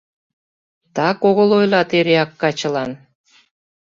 Так огыл ойлат эреак качылан.